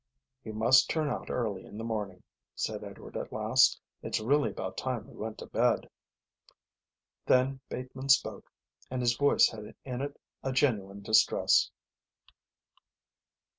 "We must turn out early in the morning," said Edward at last. "It's really about time we went to bed." Then Bateman spoke and his voice had in it a genuine distress.